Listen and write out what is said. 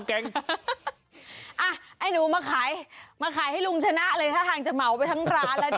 ไอ้หนูมาขายมาขายให้ลุงชนะเลยท่าทางจะเหมาไปทั้งร้านแล้วเนี่ย